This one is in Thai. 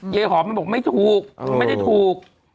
หอมมันบอกไม่ถูกไม่ได้ถูก